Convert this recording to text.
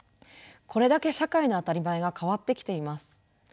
これだけ社会の当たり前が変わってきています。